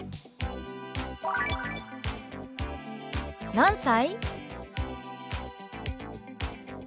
「何歳？」。